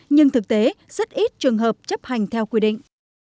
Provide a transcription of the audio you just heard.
nhưng thực tế rất ít trường hợp chấp hành theo quy định